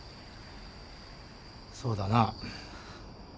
そうだな。